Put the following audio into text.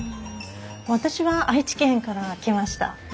私は愛知県から来ました。